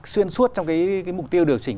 xuyên suốt trong cái mục tiêu điều chỉnh